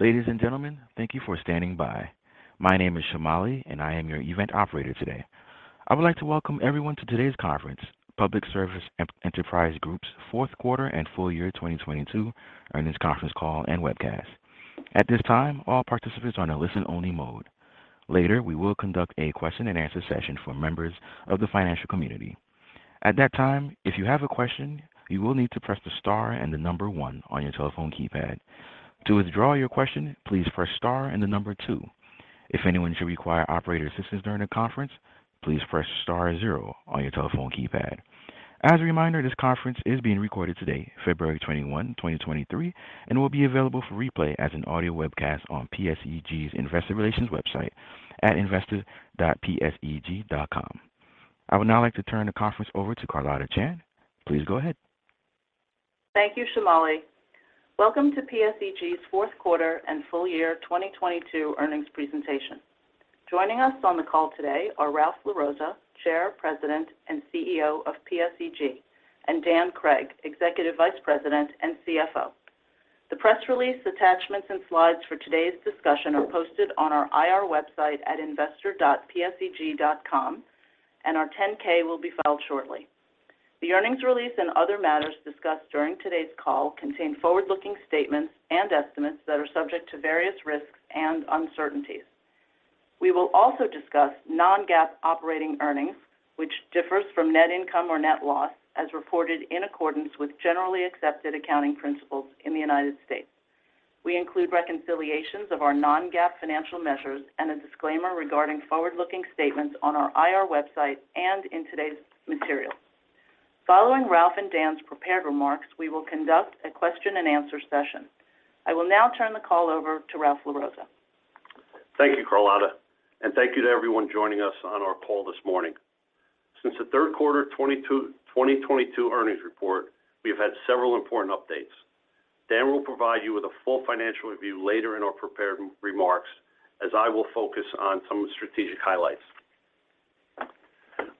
Ladies and gentlemen, thank you for standing by. My name is Shamali, and I am your event operator today. I would like to welcome everyone to today's conference, Public Service Enterprise Group's fourth quarter and full year 2022 earnings conference call and webcast. At this time, all participants are in a listen-only mode. Later, we will conduct a question-and-answer session for members of the financial community. At that time, if you have a question, you will need to press the star 1 on your telephone keypad. To withdraw your question, please press star 2. If anyone should require operator assistance during the conference, please press star 0 on your telephone keypad. As a reminder, this conference is being recorded today, February 21, 2023, and will be available for replay as an audio webcast on PSEG's investor relations website at investor.pseg.com. I would now like to turn the conference over to Carlotta Chan. Please go ahead. Thank you, Shamali. Welcome to PSEG's fourth quarter and full year 2022 earnings presentation. Joining us on the call today are Ralph LaRossa, Chair, President, and CEO of PSEG, and Dan Cregg, Executive Vice President and CFO. The press release attachments and slides for today's discussion are posted on our IR website at investor.pseg.com. Our 10-K will be filed shortly. The earnings release and other matters discussed during today's call contain forward-looking statements and estimates that are subject to various risks and uncertainties. We will also discuss non-GAAP operating earnings, which differs from net income or net loss as reported in accordance with Generally Accepted Accounting Principles in the United States. We include reconciliations of our non-GAAP financial measures and a disclaimer regarding forward-looking statements on our IR website and in today's materials. Following Ralph and Dan's prepared remarks, we will conduct a question-and-answer session. I will now turn the call over to Ralph LaRossa. Thank you, Carlotta, and thank you to everyone joining us on our call this morning. Since the third quarter 2022 earnings report, we have had several important updates. Dan will provide you with a full financial review later in our prepared remarks, as I will focus on some strategic highlights.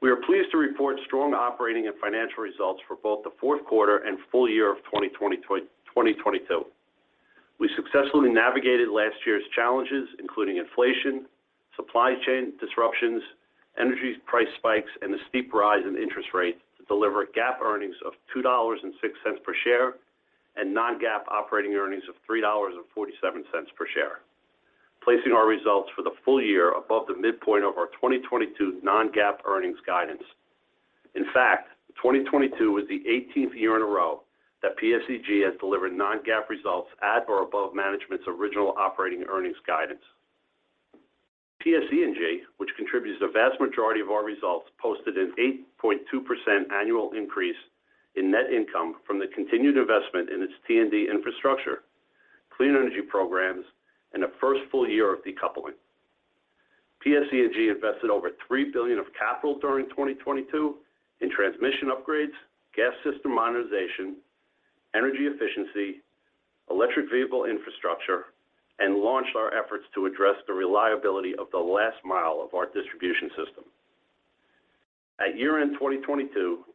We are pleased to report strong operating and financial results for both the fourth quarter and full year of 2022. We successfully navigated last year's challenges, including inflation, supply chain disruptions, energy price spikes, and a steep rise in interest rates to deliver GAAP earnings of $2.06 per share and non-GAAP operating earnings of $3.47 per share, placing our results for the full year above the midpoint of our 2022 non-GAAP earnings guidance. In fact, 2022 was the 18th year in a row that PSEG has delivered non-GAAP results at or above management's original operating earnings guidance. PSE&G, which contributes the vast majority of our results, posted an 8.2% annual increase in net income from the continued investment in its T&D infrastructure, clean energy programs, and the first full year of decoupling. PSE&G invested over $3 billion of capital during 2022 in transmission upgrades, gas system modernization, energy efficiency, electric vehicle infrastructure, and launched our efforts to address the reliability of the last mile of our distribution system. At year-end 2022,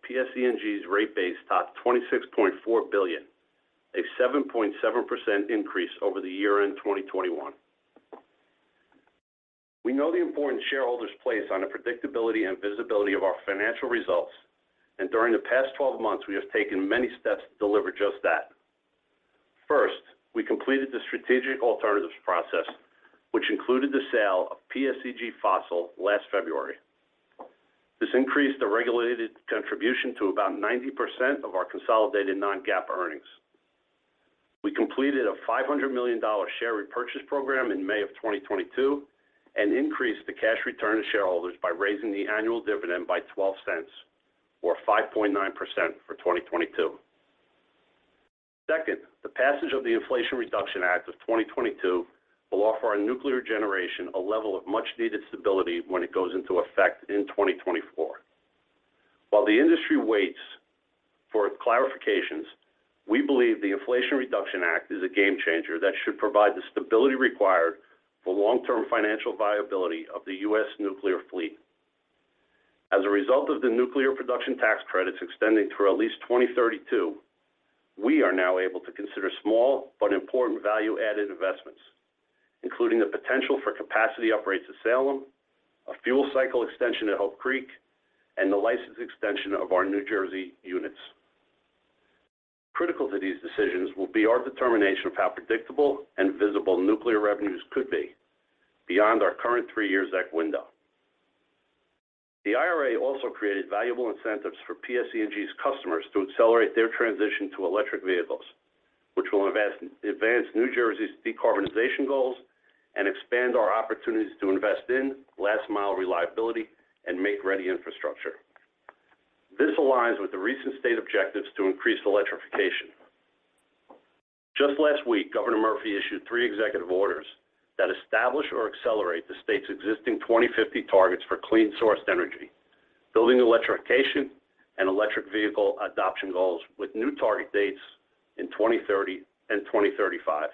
PSE&G's rate base topped $26.4 billion, a 7.7% increase over the year-end 2021. We know the importance shareholders place on the predictability and visibility of our financial results, and during the past 12 months, we have taken many steps to deliver just that. First, we completed the strategic alternatives process, which included the sale of PSEG Fossil last February. This increased the regulated contribution to about 90% of our consolidated non-GAAP earnings. We completed a $500 million share repurchase program in May of 2022 and increased the cash return to shareholders by raising the annual dividend by $0.12 or 5.9% for 2022. Second, the passage of the Inflation Reduction Act of 2022 will offer our nuclear generation a level of much-needed stability when it goes into effect in 2024. While the industry waits for clarifications, we believe the Inflation Reduction Act is a game changer that should provide the stability required for long-term financial viability of the U.S. nuclear fleet. As a result of the nuclear production tax credits extending through at least 2032, we are now able to consider small but important value-added investments, including the potential for capacity upgrades to Salem, a fuel cycle extension at Hope Creek, and the license extension of our New Jersey units. Critical to these decisions will be our determination of how predictable and visible nuclear revenues could be beyond our current three-year ZEC window. The IRA also created valuable incentives for PSE&G's customers to accelerate their transition to electric vehicles, which will advance New Jersey's decarbonization goals and expand our opportunities to invest in last-mile reliability and make ready infrastructure. This aligns with the recent state objectives to increase electrification. Just last week, Governor Murphy issued three executive orders that establish or accelerate the state's existing 2050 targets for clean-sourced energy, building electrification, and electric vehicle adoption goals with new target dates in 2030 and 2035.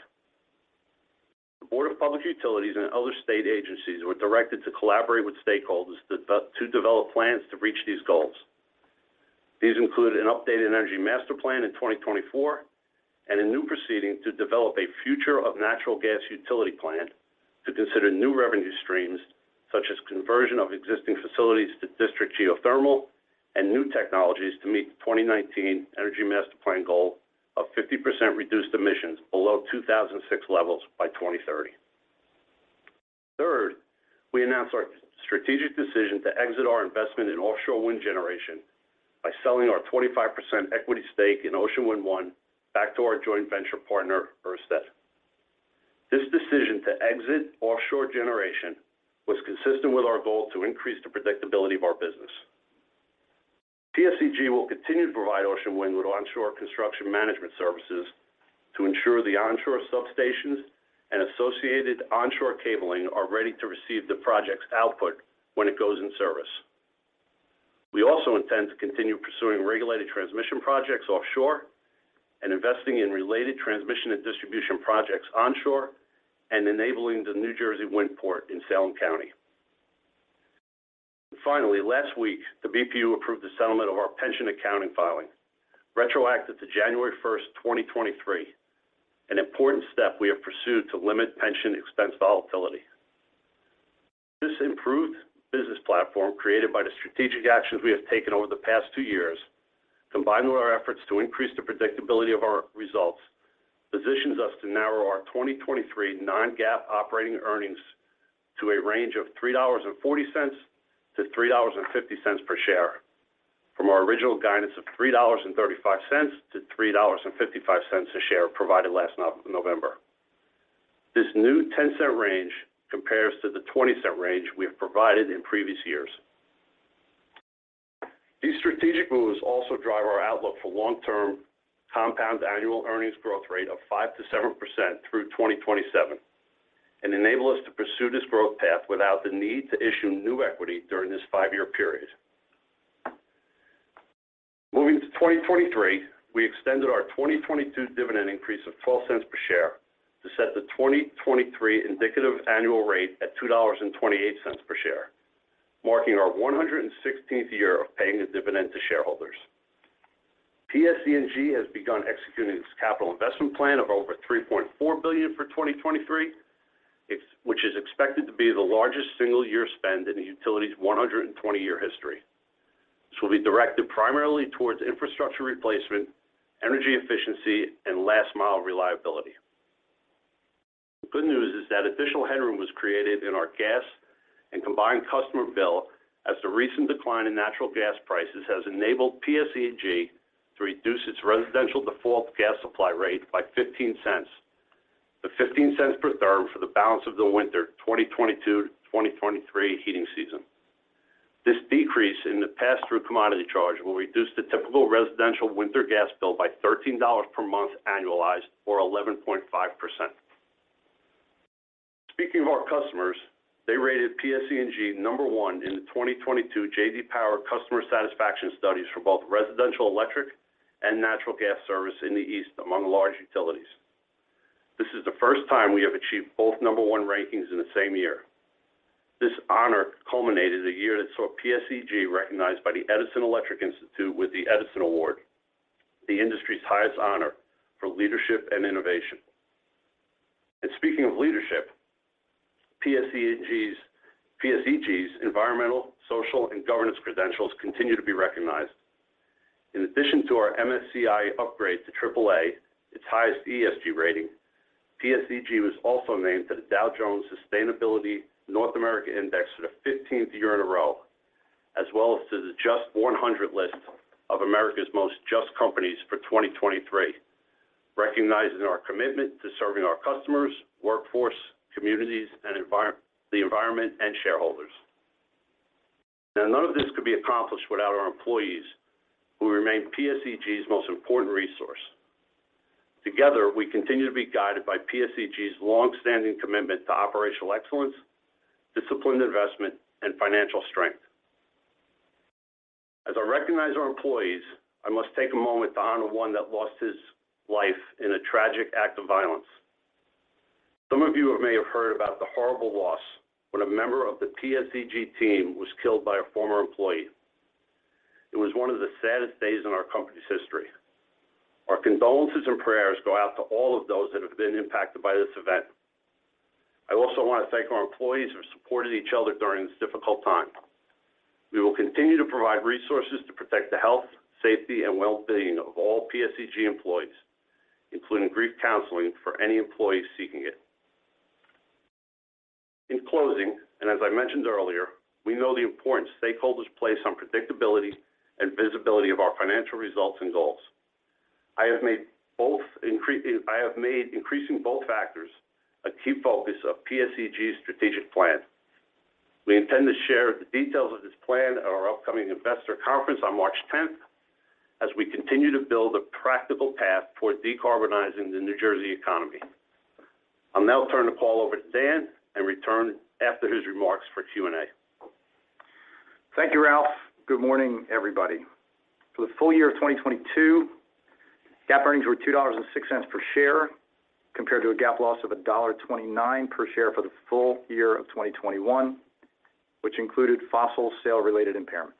The Board of Public Utilities and other state agencies were directed to collaborate with stakeholders to develop plans to reach these goals. These include an updated Energy Master Plan in 2024 and a new proceeding to develop a future of natural gas utility plan to consider new revenue streams such as conversion of existing facilities to district geothermal and new technologies to meet the 2019 Energy Master Plan goal of 50% reduced emissions below 2006 levels by 2030. We announced our strategic decision to exit our investment in offshore wind generation by selling our 25% equity stake in Ocean Wind 1 back to our joint venture partner, Ørsted. This decision to exit offshore generation was consistent with our goal to increase the predictability of our business. PSEG will continue to provide Ocean Wind 1 with onshore construction management services to ensure the onshore substations and associated onshore cabling are ready to receive the project's output when it goes in service. We also intend to continue pursuing regulated transmission projects offshore and investing in related transmission and distribution projects onshore and enabling the New Jersey Wind Port in Salem County. Last week, the BPU approved the settlement of our pension accounting filing, retroactive to January 1, 2023, an important step we have pursued to limit pension expense volatility. This improved business platform created by the strategic actions we have taken over the past two years, combined with our efforts to increase the predictability of our results, positions us to narrow our 2023 non-GAAP operating earnings to a range of $3.40-$3.50 per share from our original guidance of $3.35-$3.55 a share provided last November. This new 10-cent range compares to the $0.20 range we have provided in previous years. These strategic moves also drive our outlook for long-term compound annual earnings growth rate of 5%-7% through 2027 and enable us to pursue this growth path without the need to issue new equity during this five-year period. Moving to 2023, we extended our 2022 dividend increase of $0.04 per share to set the 2023 indicative annual rate at $2.28 per share, marking our 116th year of paying a dividend to shareholders. PSEG has begun executing its capital investment plan of over $3.4 billion for 2023, which is expected to be the largest single-year spend in the utility's 120-year history. This will be directed primarily towards infrastructure replacement, energy efficiency, and last-mile reliability. The good news is that additional headroom was created in our gas and combined customer bill as the recent decline in natural gas prices has enabled PSEG to reduce its residential default gas supply rate by $0.15, to $0.15 per therm for the balance of the winter 2022-2023 heating season. This decrease in the pass-through commodity charge will reduce the typical residential winter gas bill by $13 per month annualized or 11.5%. Speaking of our customers, they rated PSEG number one in the 2022 J.D. Power Customer Satisfaction studies for both residential electric and natural gas service in the East among large utilities. This is the first time we have achieved both number one rankings in the same year. This honor culminated a year that saw PSEG recognized by the Edison Electric Institute with the Edison Award, the industry's highest honor for leadership and innovation. Speaking of leadership, PSEG's environmental, social, and governance credentials continue to be recognized. In addition to our MSCI upgrade to triple A, its highest ESG rating, PSEG was also named to the Dow Jones Sustainability North America Index for the 15th year in a row, as well as to the JUST 100 list of America's most just companies for 2023, recognizing our commitment to serving our customers, workforce, communities, and the environment, and shareholders. None of this could be accomplished without our employees, who remain PSEG's most important resource. Together, we continue to be guided by PSEG's longstanding commitment to operational excellence, disciplined investment, and financial strength. As I recognize our employees, I must take a moment to honor one that lost his life in a tragic act of violence. Some of you may have heard about the horrible loss when a member of the PSEG team was killed by a former employee. It was one of the saddest days in our company's history. Our condolences and prayers go out to all of those that have been impacted by this event. I also want to thank our employees who supported each other during this difficult time. We will continue to provide resources to protect the health, safety, and well-being of all PSEG employees, including grief counseling for any employees seeking it. In closing, as I mentioned earlier, we know the importance stakeholders place on predictability and visibility of our financial results and goals. I have made increasing both factors a key focus of PSEG's strategic plan. We intend to share the details of this plan at our upcoming investor conference on March 10th as we continue to build a practical path toward decarbonizing the New Jersey economy. I'll now turn the call over to Dan and return after his remarks for Q&A. Thank you, Ralph. Good morning, everybody. For the full year of 2022, GAAP earnings were $2.06 per share, compared to a GAAP loss of $1.29 per share for the full year of 2021, which included fossil sale-related impairments.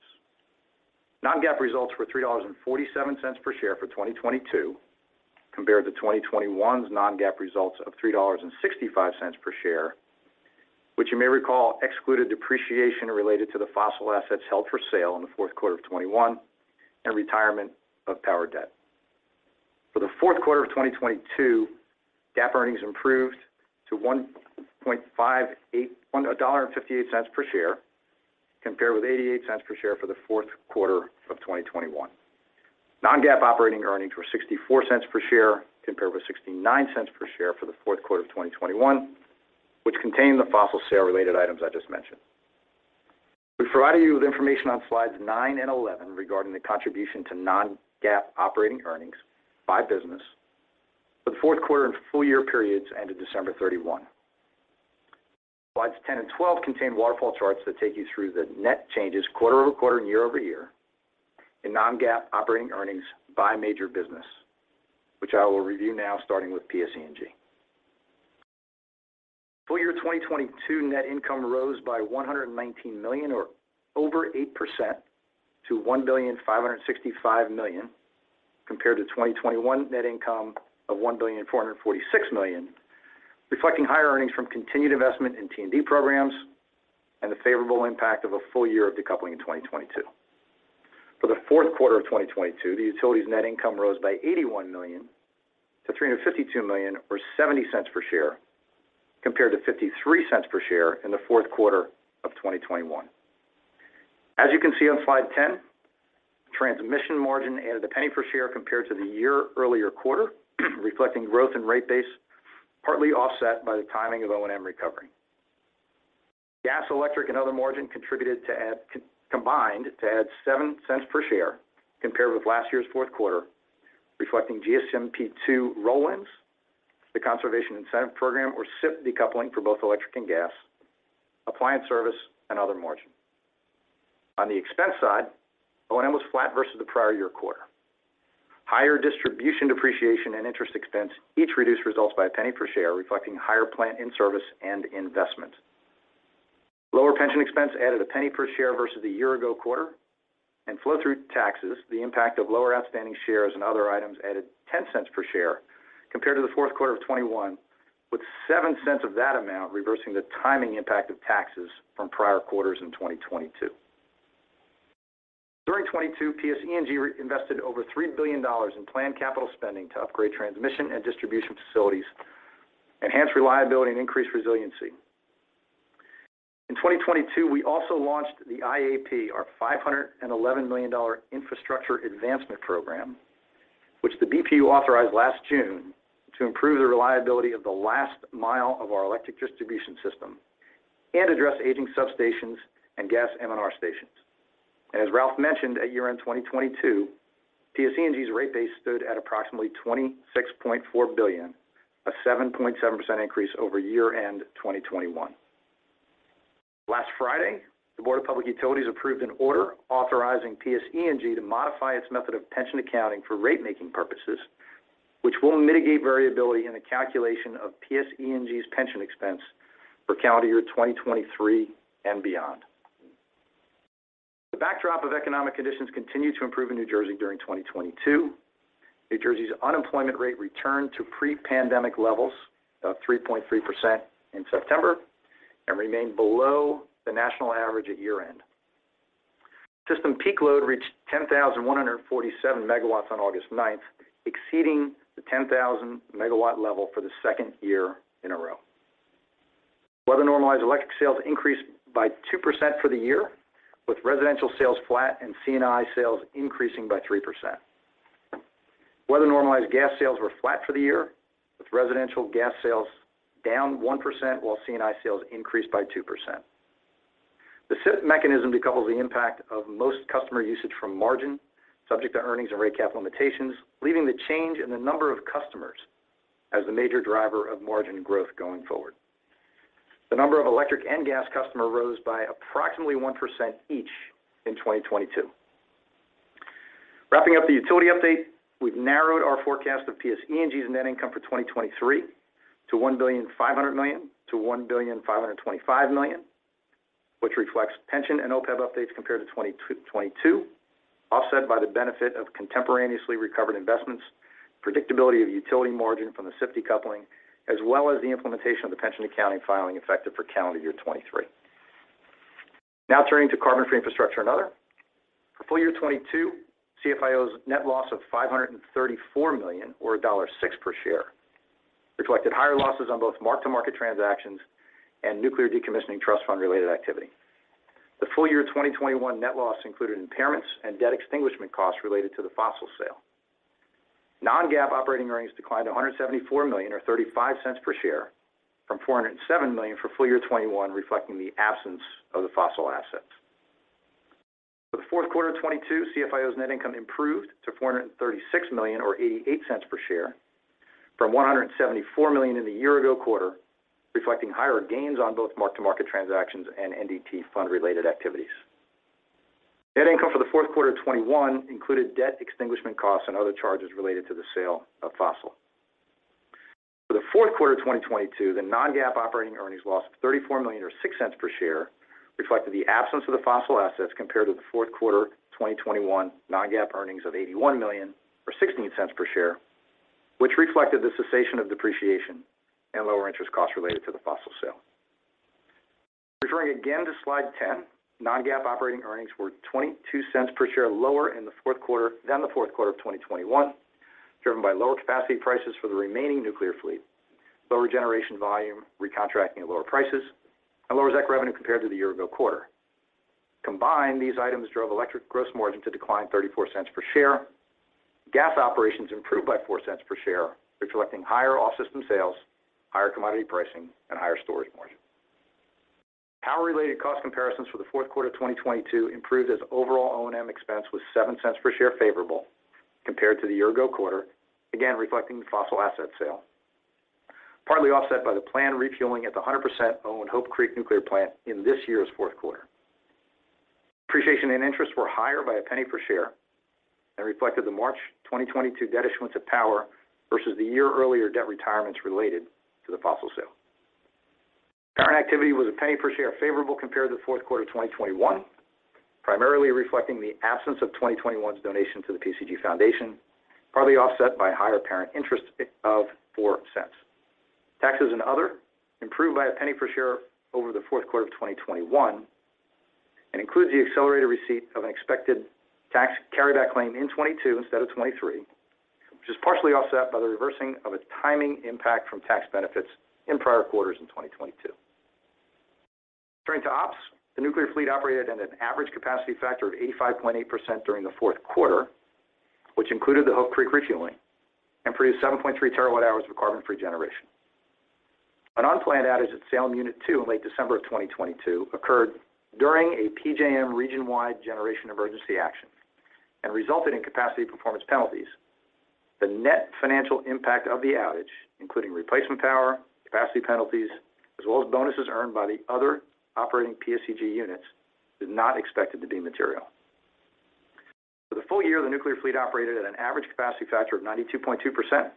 Non-GAAP results were $3.47 per share for 2022, compared to 2021's non-GAAP results of $3.65 per share. You may recall excluded depreciation related to the fossil assets held for sale in the fourth quarter of 2021 and retirement of power debt. For the fourth quarter of 2022, GAAP earnings improved to $1.58 per share, compared with $0.88 per share for the fourth quarter of 2021. Non-GAAP operating earnings were $0.64 per share compared with $0.69 per share for the fourth quarter of 2021, which contained the fossil sale-related items I just mentioned. We provide you with information on slides nine and 11 regarding the contribution to non-GAAP operating earnings by business for the fourth quarter and full year periods ended December 31. Slides 10 and 12 contain waterfall charts that take you through the net changes quarter-over-quarter and year-over-year in non-GAAP operating earnings by major business, which I will review now starting with PSE&G. Full year 2022 net income rose by $119 million or over 8% to $1.565 billion, compared to 2021 net income of $1.446 billion, reflecting higher earnings from continued investment in T&D programs and the favorable impact of a full year of decoupling in 2022. For the fourth quarter of 2022, the utility's net income rose by $81 million to $352 million or $0.70 per share, compared to $0.53 per share in the fourth quarter of 2021. As you can see on slide 10, transmission margin added $0.01 per share compared to the year earlier quarter, reflecting growth in rate base, partly offset by the timing of O&M recovery. Gas, electric, and other margin contributed to add combined to add $0.07 per share compared with last year's fourth quarter, reflecting GSMP II roll-ins, the Conservation Incentive Program or CIP decoupling for both electric and gas, appliance service, and other margin. On the expense side, O&M was flat versus the prior year quarter. Higher distribution depreciation and interest expense each reduced results by $0.01 per share, reflecting higher plant in-service and investment. Lower pension expense added $0.01 per share versus the year ago quarter. Flow-through taxes, the impact of lower outstanding shares and other items added $0.10 per share compared to the fourth quarter of 2021, with $0.07 of that amount reversing the timing impact of taxes from prior quarters in 2022. During 2022, PSE&G invested over $3 billion in planned capital spending to upgrade transmission and distribution facilities, enhance reliability, and increase resiliency. In 2022, we also launched the IAP, our $511 million Infrastructure Advancement Program, which the BPU authorized last June to improve the reliability of the last mile of our electric distribution system and address aging substations and gas M&R stations. As Ralph mentioned, at year-end 2022, PSE&G's rate base stood at approximately $26.4 billion, a 7.7% increase over year-end 2021. Last Friday, the Board of Public Utilities approved an order authorizing PSE&G to modify its method of pension accounting for rate-making purposes, which will mitigate variability in the calculation of PSE&G's pension expense for calendar year 2023 and beyond. The backdrop of economic conditions continued to improve in New Jersey during 2022. New Jersey's unemployment rate returned to pre-pandemic levels of 3.3% in September and remained below the national average at year-end. System peak load reached 10,147 MW on August 9th, exceeding the 10,000 MW level for the second year in a row. Weather normalized electric sales increased by 2% for the year, with residential sales flat and C&I sales increasing by 3%. Weather normalized gas sales were flat for the year, with residential gas sales down 1%, while C&I sales increased by 2%. The CIP mechanism decouples the impact of most customer usage from margin, subject to earnings and rate cap limitations, leaving the change in the number of customers as the major driver of margin growth going forward. The number of electric and gas customers rose by approximately 1% each in 2022. Wrapping up the utility update, we've narrowed our forecast of PSE&G's net income for 2023 to $1.5 billion-$1.525 billion, which reflects pension and OPEB updates compared to 2022, offset by the benefit of contemporaneously recovered investments, predictability of utility margin from the CIP decoupling, as well as the implementation of the pension accounting filing effective for calendar year 2023. Turning to carbon-free infrastructure and other. For full year 2022, CFIO's net loss of $534 million or $6 per share, reflecting higher losses on both mark-to-market transactions and nuclear decommissioning trust fund related activity. The full year 2021 net loss included impairments and debt extinguishment costs related to the fossil sale. Non-GAAP operating earnings declined to $174 million or $0.35 per share from $407 million for full year 2021, reflecting the absence of the fossil assets. The fourth quarter of 2022, CFIO's net income improved to $436 million or $0.88 per share from $174 million in the year ago quarter, reflecting higher gains on both mark-to-market transactions and NDT fund related activities. Net income for the fourth quarter of 2021 included debt extinguishment costs and other charges related to the sale of fossil. For the fourth quarter of 2022, the non-GAAP operating earnings loss of $34 million or $0.06 per share reflected the absence of the fossil assets compared to the fourth quarter of 2021 non-GAAP earnings of $81 million or $0.16 per share, which reflected the cessation of depreciation and lower interest costs related to the fossil sale. Referring again to slide 10, non-GAAP operating earnings were $0.22 per share lower in the fourth quarter than the fourth quarter of 2021, driven by lower capacity prices for the remaining nuclear fleet, lower generation volume, recontracting at lower prices, and lower ZEC revenue compared to the year-ago quarter. Combined, these items drove electric gross margin to decline $0.34 per share. Gas operations improved by $0.04 per share, reflecting higher off-system sales, higher commodity pricing, and higher storage margin. Power-related cost comparisons for the fourth quarter of 2022 improved as overall O&M expense was $0.07 per share favorable compared to the year-ago quarter, again reflecting the fossil asset sale, partly offset by the planned refueling at the 100% owned Hope Creek Nuclear Plant in this year's fourth quarter. Depreciation and interest were higher by $0.01 per share and reflected the March 2022 debt issuance of power versus the year-earlier debt retirements related to the fossil sale. Parent activity was $0.01 per share favorable compared to the fourth quarter of 2021, primarily reflecting the absence of 2021's donation to the PSEG Foundation, partly offset by higher parent interest of $0.04. Taxes and other improved by $0.01 per share over the fourth quarter of 2021 and includes the accelerated receipt of an expected tax carryback claim in 2022 instead of 2023, which is partially offset by the reversing of a timing impact from tax benefits in prior quarters in 2022. Turning to Ops, the nuclear fleet operated at an average capacity factor of 85.8% during the fourth quarter, which included the Hope Creek refueling and produced 7.3 TWh of carbon-free generation. An unplanned outage at Salem Unit 2 in late December of 2022 occurred during a PJM region-wide generation emergency action and resulted in capacity performance penalties. The net financial impact of the outage, including replacement power, capacity penalties, as well as bonuses earned by the other operating PSEG units, is not expected to be material. For the full year, the nuclear fleet operated at an average capacity factor of 92.2%,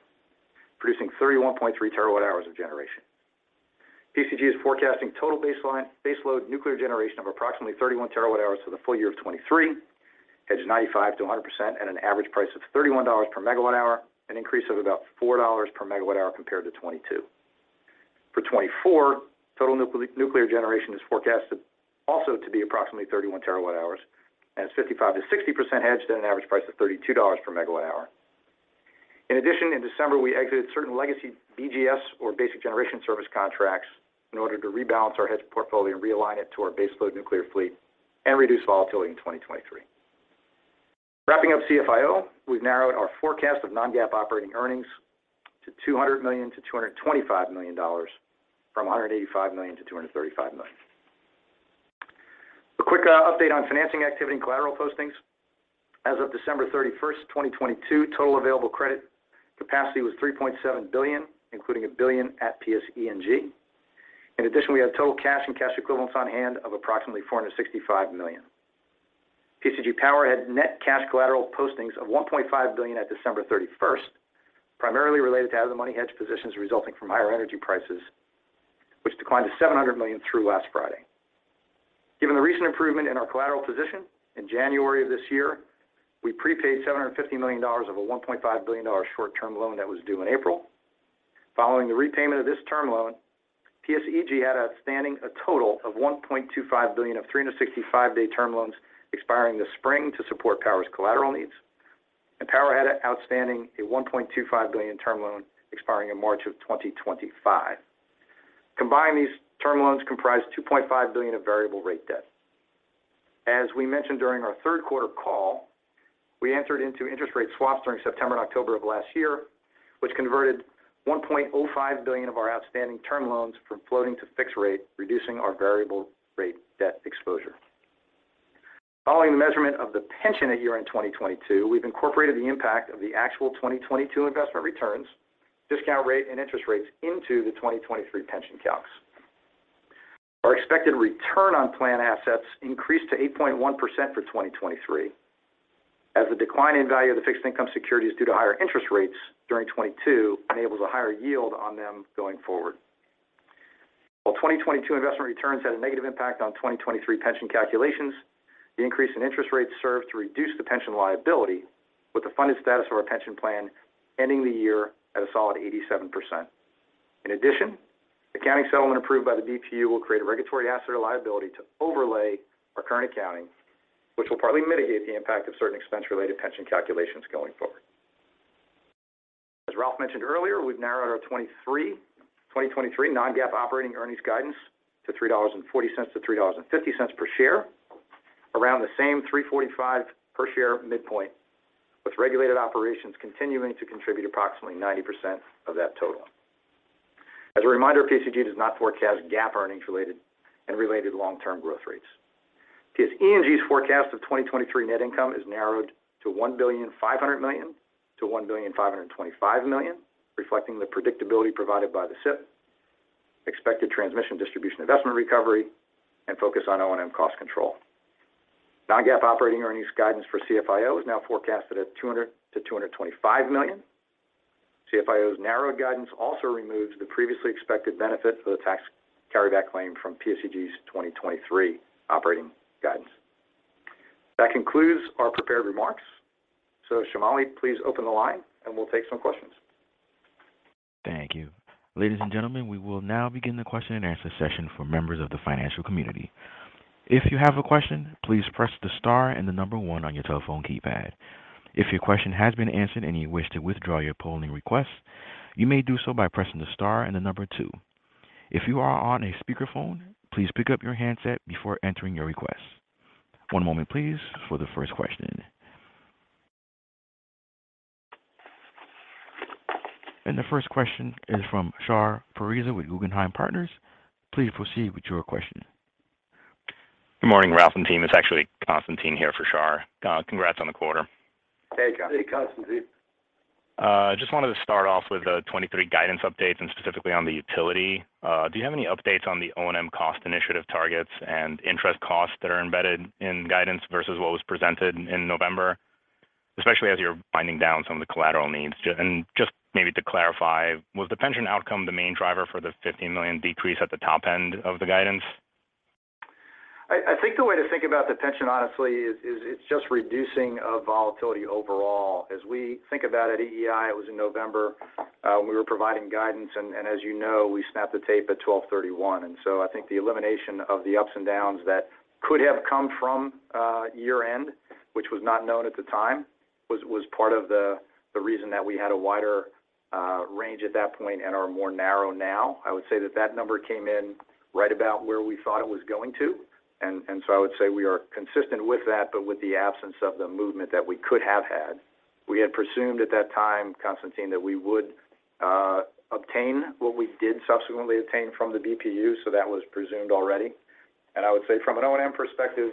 producing 31.3 TWh of generation. PSEG is forecasting total baseline baseload nuclear generation of approximately 31 TWh for the full year of 2023, hedged 95%-100% at an average $31/MWh, an increase $4/MWh compared to 2022. For 2024, total nuclear generation is forecasted also to be approximately 31 TWh and is 55%-60% hedged at an average $32/MWh. in addition, in December, we exited certain legacy BGS or Basic Generation Service contracts in order to rebalance our hedged portfolio and realign it to our baseload nuclear fleet and reduce volatility in 2023. Wrapping up CFIO, we've narrowed our forecast of non-GAAP operating earnings to $200 million-$225 million from $185 million-$235 million. A quick update on financing activity and collateral postings. As of December 31st, 2022, total available credit capacity was $3.7 billion, including $1 billion at PSEG. In addition, we had total cash and cash equivalents on hand of approximately $465 million. PSEG Power had net cash collateral postings of $1.5 billion at December 31st, primarily related to out-of-the-money hedge positions resulting from higher energy prices, which declined to $700 million through last Friday. Given the recent improvement in our collateral position, in January of this year, we prepaid $750 million of a $1.5 billion short-term loan that was due in April. Following the repayment of this term loan, PSEG had outstanding a total of $1.25 billion of 365-day term loans expiring this spring to support Power's collateral needs. Power had outstanding a $1.25 billion term loan expiring in March of 2025. Combined, these term loans comprise $2.5 billion of variable rate debt. As we mentioned during our third quarter call, we entered into interest rate swaps during September and October of last year, which converted $1.05 billion of our outstanding term loans from floating to fixed rate, reducing our variable rate debt exposure. Following the measurement of the pension at year-end 2022, we've incorporated the impact of the actual 2022 investment returns, discount rate, and interest rates into the 2023 pension calcs. Our expected return on plan assets increased to 8.1% for 2023, as the decline in value of the fixed income securities due to higher interest rates during 2022 enables a higher yield on them going forward. While 2022 investment returns had a negative impact on 2023 pension calculations, the increase in interest rates served to reduce the pension liability with the funded status of our pension plan ending the year at a solid 87%. In addition, accounting settlement approved by the BPU will create a regulatory asset or liability to overlay our current accounting, which will partly mitigate the impact of certain expense-related pension calculations going forward. Ralph mentioned earlier, we've narrowed our 2023 non-GAAP operating earnings guidance to $3.40-$3.50 per share around the same $3.45 per share midpoint, with regulated operations continuing to contribute approximately 90% of that total. A reminder, PSEG does not forecast GAAP earnings related and related long-term growth rates. PSEG's forecast of 2023 net income is narrowed to $1.5 billion-$1.525 billion, reflecting the predictability provided by the CIP expected transmission distribution investment recovery and focus on O&M cost control. Non-GAAP operating earnings guidance for CFIO is now forecasted at $200 million-$225 million. CFIO's narrowed guidance also removes the previously expected benefit for the tax carryback claim from PSEG's 2023 operating guidance. That concludes our prepared remarks. Shamali, please open the line, and we'll take some questions. Thank you. Ladies and gentlemen, we will now begin the question and answer session for members of the financial community. If you have a question, please press the star and the number 1 on your telephone keypad. If your question has been answered and you wish to withdraw your polling request, you may do so by pressing the star and the number 2. If you are on a speakerphone, please pick up your handset before entering your request. One moment please for the first question. The first question is from Shahriar Pourreza with Guggenheim Partners. Please proceed with your question. Good morning, Ralph and team. It's actually Constantine here for Char. Congrats on the quarter. Hey, Constantine. Hey, Constantine. Just wanted to start off with the 2023 guidance updates and specifically on the utility. Do you have any updates on the O&M cost initiative targets and interest costs that are embedded in guidance versus what was presented in November, especially as you're binding down some of the collateral needs? Just maybe to clarify, was the pension outcome the main driver for the $50 million decrease at the top end of the guidance? I think the way to think about the pension, honestly, is it's just reducing volatility overall. As we think about it at EEI, it was in November when we were providing guidance. As you know, we snapped the tape at 12/31/2022. I think the elimination of the ups and downs that could have come from year-end, which was not known at the time, was part of the reason that we had a wider range at that point and are more narrow now. I would say that number came in right about where we thought it was going to. I would say we are consistent with that, but with the absence of the movement that we could have had. We had presumed at that time, Constantine, that we would obtain what we did subsequently obtain from the BPU, so that was presumed already. I would say from an O&M perspective,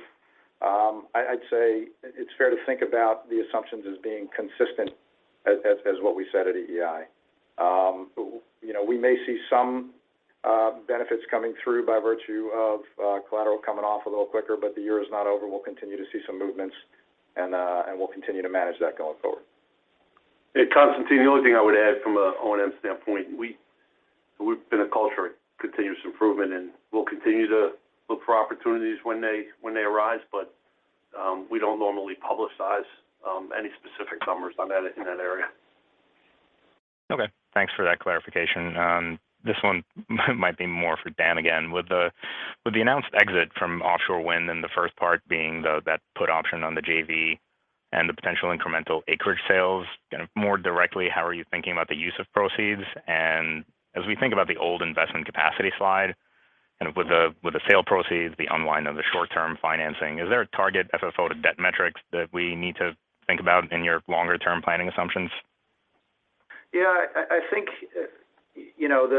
I'd say it's fair to think about the assumptions as being consistent as what we said at EEI. You know, we may see some benefits coming through by virtue of collateral coming off a little quicker, but the year is not over. We'll continue to see some movements and we'll continue to manage that going forward. Hey, Constantine, the only thing I would add from an O&M standpoint, we've been a culture of continuous improvement, and we'll continue to look for opportunities when they arise, but we don't normally publicize any specific numbers on that in that area. Okay. Thanks for that clarification. This one might be more for Dan again. With the announced exit from offshore wind and the first part being that put option on the JV and the potential incremental acreage sales, kind of more directly, how are you thinking about the use of proceeds? As we think about the old investment capacity slide, kind of with the sale proceeds, the unwind of the short-term financing, is there a target FFO to debt metrics that we need to think about in your longer-term planning assumptions? I think, you know,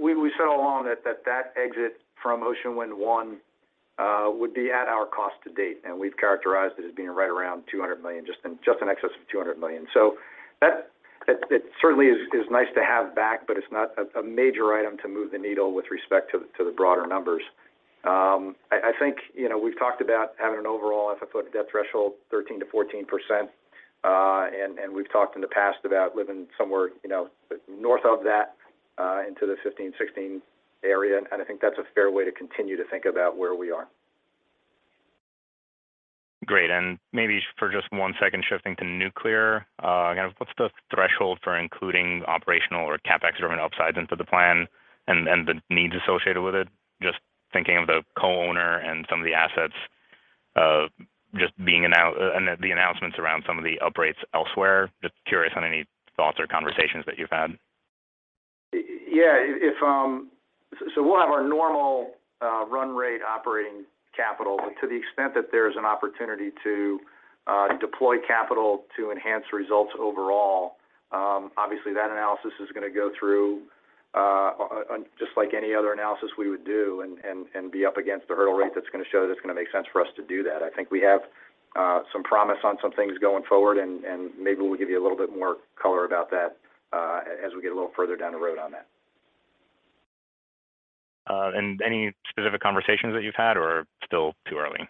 We said all along that exit from Ocean Wind 1 would be at our cost to date, and we've characterized it as being right around $200 million, just in excess of $200 million. That certainly is nice to have back, but it's not a major item to move the needle with respect to the broader numbers. I think, you know, we've talked about having an overall FFO to debt threshold, 13%-14%. And we've talked in the past about living somewhere, you know, north of that, into the 15%, 16% area. I think that's a fair way to continue to think about where we are. Great. And maybe for just one second shifting to nuclear. kind of what's the threshold for including operational or CapEx-driven upsides into the plan and the needs associated with it? Just thinking of the co-owner and some of the assets, just being and the announcements around some of the uprates elsewhere. Just curious on any thoughts or conversations that you've had. Yeah. If So we'll have our normal run rate operating capital. To the extent that there's an opportunity to deploy capital to enhance results overall, obviously that analysis is gonna go through just like any other analysis we would do and be up against the hurdle rate that's gonna show that it's gonna make sense for us to do that. I think we have some promise on some things going forward, and maybe we'll give you a little bit more color about that as we get a little further down the road on that. Any specific conversations that you've had or still too early?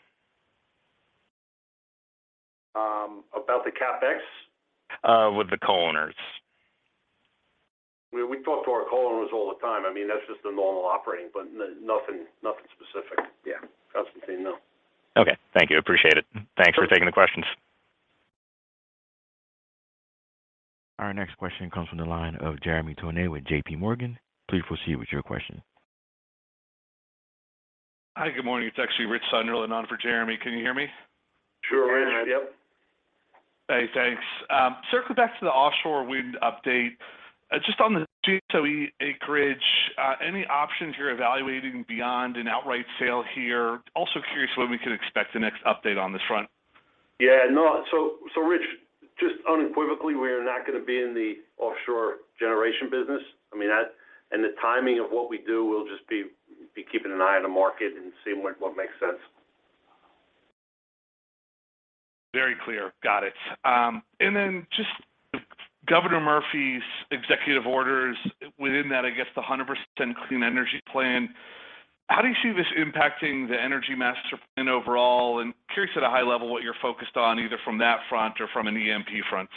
About the CapEx? with the co-owners. We talk to our co-owners all the time. I mean, that's just the normal operating, but nothing specific. Yeah. Constantine, no. Okay. Thank you. Appreciate it. Thanks for taking the questions. Our next question comes from the line of Jeremy Tonet with JPMorgan. Please proceed with your question. Hi. Good morning. It's actually Richard Sunderland in on for Jeremy. Can you hear me? Sure. Yeah. Yep. Hey, thanks. Circling back to the offshore wind update. Just on the GSOE acreage, any options you're evaluating beyond an outright sale here? Also curious when we can expect the next update on this front. Yeah, no. Rich, just unequivocally, we're not gonna be in the offshore generation business. I mean, that and the timing of what we do, we'll just be keeping an eye on the market and seeing what makes sense. Very clear. Got it. Just Governor Murphy's executive orders within that, I guess the 100% clean energy plan. How do you see this impacting the Energy Master Plan overall? Curious at a high level what you're focused on, either from that front or from an EMP front.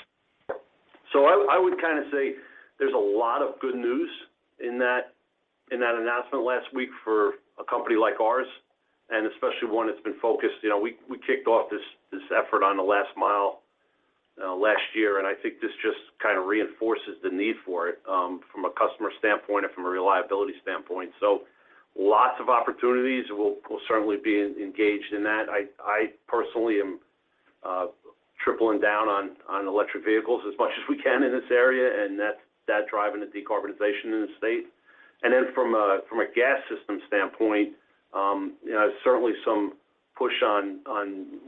I would kind of say there's a lot of good news in that announcement last week for a company like ours, and especially one that's been focused. You know, we kicked off this effort on the last mile last year, and I think this just kind of reinforces the need for it from a customer standpoint and from a reliability standpoint. Lots of opportunities. We'll certainly be engaged in that. I personally am tripling down on electric vehicles as much as we can in this area, and that's driving the decarbonization in the state. From a gas system standpoint, you know, certainly some push on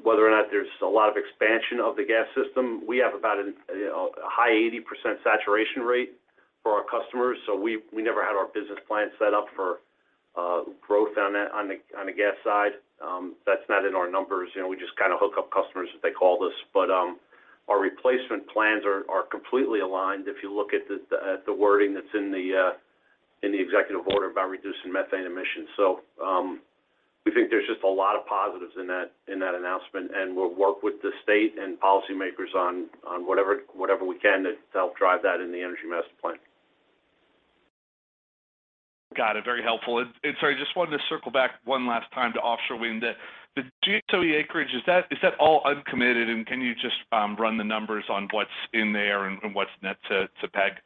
whether or not there's a lot of expansion of the gas system. We have about, you know, a high 80% saturation rate for our customers. We never had our business plan set up for growth on the gas side. That's not in our numbers. You know, we just kind of hook up customers if they call us. Our replacement plans are completely aligned if you look at the wording that's in the executive order about reducing methane emissions. We think there's just a lot of positives in that announcement, and we'll work with the state and policymakers on whatever we can to help drive that in the Energy Master Plan. Got it. Very helpful. Sorry, just wanted to circle back one last time to offshore wind. The GSOE acreage, is that all uncommitted? Can you just run the numbers on what's in there and what's net to PSEG? You wanna take it?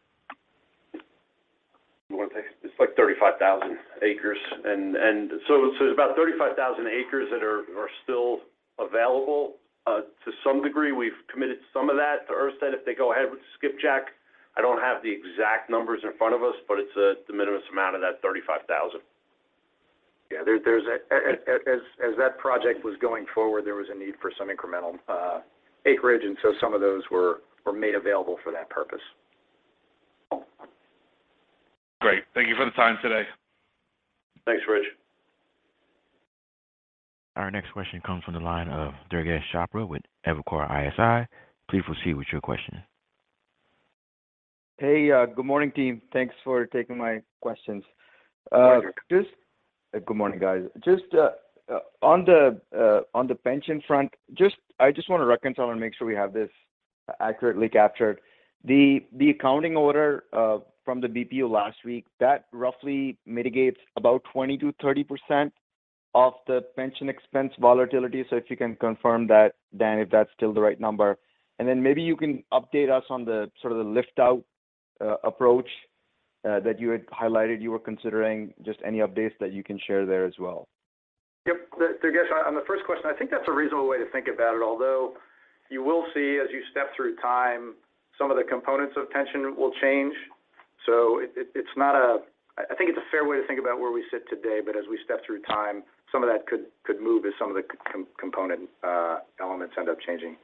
It's like 35,000 acres. It's about 35,000 acres that are still available. To some degree, we've committed some of that to Ørsted if they go ahead with Skipjack. I don't have the exact numbers in front of us, but it's the minimum amount of that 35,000. Yeah. As that project was going forward, there was a need for some incremental acreage, and so some of those were made available for that purpose. Great. Thank you for the time today. Thanks, Rich. Our next question comes from the line of Durgesh Chopra with Evercore ISI. Please proceed with your question. Hey. good morning, team. Thanks for taking my questions. Good morning. Good morning, guys. Just on the pension front, I just want to reconcile and make sure we have this accurately captured. The accounting order from the BPU last week, that roughly mitigates about 20%-30% of the pension expense volatility. If you can confirm that, Dan, if that's still the right number? Then maybe you can update us on the sort of the lift out approach that you had highlighted you were considering. Just any updates that you can share there as well? Yep. Durgesh, on the first question, I think that's a reasonable way to think about it. Although, you will see as you step through time, some of the components of pension will change. I think it's a fair way to think about where we sit today. But as we step through time, some of that could move as some of the component elements end up changing.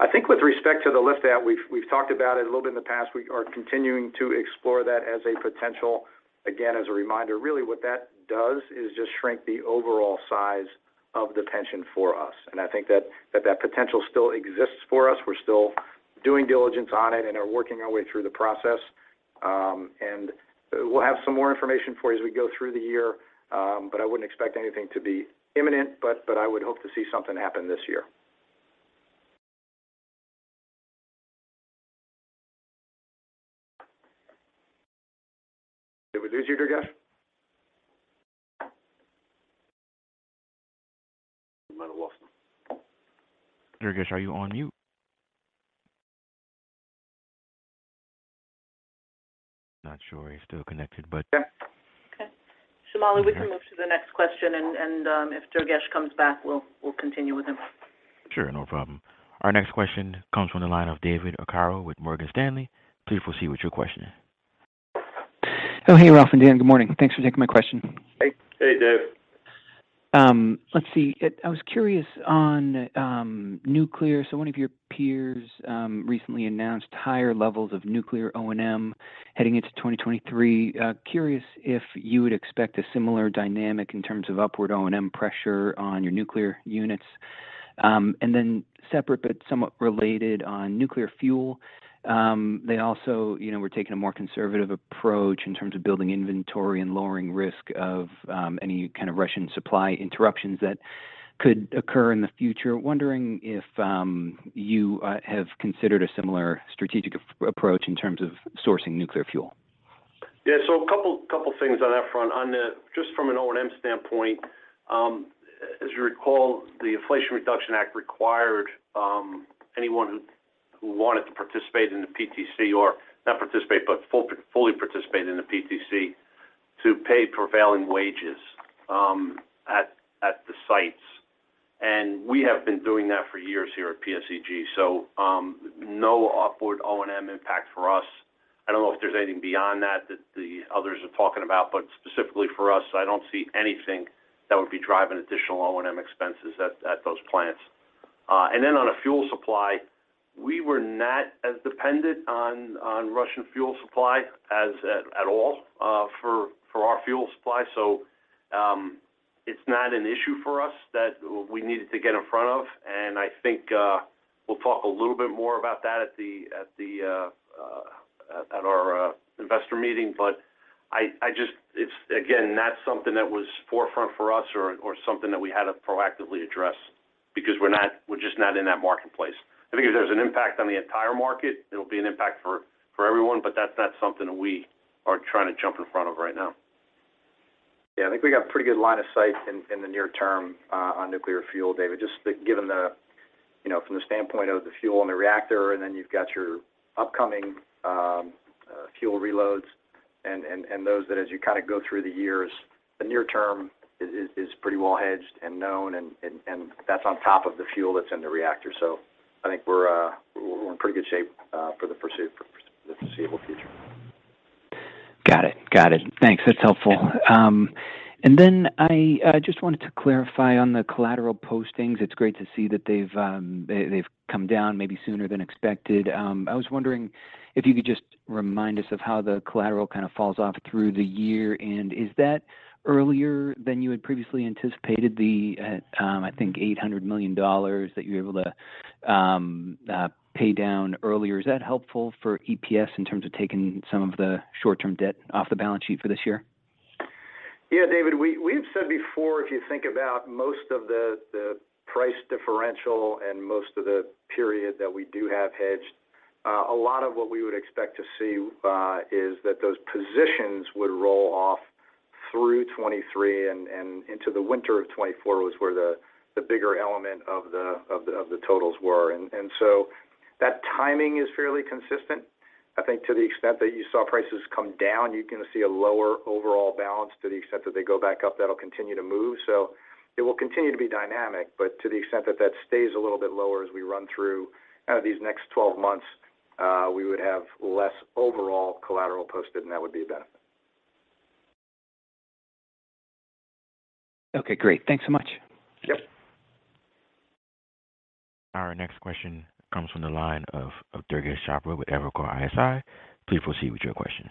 I think with respect to the lift out, we've talked about it a little bit in the past. We are continuing to explore that as a potential. Again, as a reminder, really what that does is just shrink the overall size of the pension for us, and I think that potential still exists for us. We're still doing diligence on it and are working our way through the process. We'll have some more information for you as we go through the year. I wouldn't expect anything to be imminent, but I would hope to see something happen this year. Did we lose you, Durgesh? We might have lost him. Durgesh, are you on mute? Not sure he's still connected, but- Yeah. Okay. Shamali, we can move to the next question, and if Durgesh comes back, we'll continue with him. Sure. No problem. Our next question comes from the line of David Arcaro with Morgan Stanley. Please proceed with your question. Oh, hey, Ralph and Dan. Good morning. Thanks for taking my question. Hey. Hey, Dave. Let's see. I was curious on nuclear. One of your peers recently announced higher levels of nuclear O&M heading into 2023. Curious if you would expect a similar dynamic in terms of upward O&M pressure on your nuclear units. Separate but somewhat related on nuclear fuel, they also, you know, were taking a more conservative approach in terms of building inventory and lowering risk of any kind of Russian supply interruptions that could occur in the future. Wondering if you have considered a similar strategic approach in terms of sourcing nuclear fuel. A couple things on that front. Just from an O&M standpoint, as you recall, the Inflation Reduction Act required anyone who wanted to participate in the PTC or not participate, but fully participate in the PTC to pay prevailing wages at the sites. We have been doing that for years here at PSEG. No upward O&M impact for us. I don't know if there's anything beyond that that the others are talking about. Specifically for us, I don't see anything that would be driving additional O&M expenses at those plants. On a fuel supply, we were not as dependent on Russian fuel supply as at all for our fuel supply. It's not an issue for us that we needed to get in front of, and I think, we'll talk a little bit more about that at our investor meeting. It's again, not something that was forefront for us or something that we had to proactively address because we're just not in that marketplace. I think if there's an impact on the entire market, it'll be an impact for everyone, but that's not something we are trying to jump in front of right now. Yeah. I think we got pretty good line of sight in the near term, on nuclear fuel, David. Given the, you know, from the standpoint of the fuel and the reactor, and then you've got your upcoming, fuel reloads and those that as you kind of go through the years, the near term is pretty well hedged and known and that's on top of the fuel that's in the reactor. I think we're in pretty good shape for the foreseeable future. Got it. Got it. Thanks. That's helpful. Then I just wanted to clarify on the collateral postings. It's great to see that they've come down maybe sooner than expected. I was wondering if you could just remind us of how the collateral kind of falls off through the year, and is that earlier than you had previously anticipated? The, I think $800 million that you're able to pay down earlier, is that helpful for EPS in terms of taking some of the short-term debt off the balance sheet for this year? Yeah, David, we've said before, if you think about most of the price differential and most of the period that we do have hedged, a lot of what we would expect to see, is that those positions would roll off through 2023 and into the winter of 2024 was where the bigger element of the totals were. That timing is fairly consistent. I think to the extent that you saw prices come down, you're gonna see a lower overall balance. To the extent that they go back up, that'll continue to move. It will continue to be dynamic, but to the extent that that stays a little bit lower as we run through kind of these next 12 months, we would have less overall collateral posted, and that would be a benefit. Okay, great. Thanks so much. Yep. Our next question comes from the line of Durgesh Chopra with Evercore ISI. Please proceed with your question.